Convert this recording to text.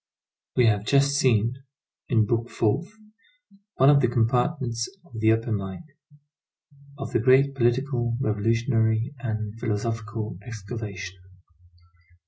We have just seen, in Book Fourth, one of the compartments of the upper mine, of the great political, revolutionary, and philosophical excavation.